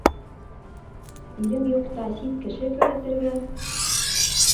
Ирем юҡта сит кеше керетергә...